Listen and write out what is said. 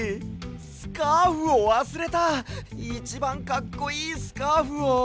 スカーフをわすれたいちばんかっこいいスカーフを。